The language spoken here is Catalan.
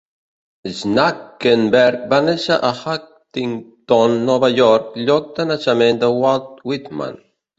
Schnakenberg va néixer a Huntington, Nova York, lloc de naixement de Walt Whitman.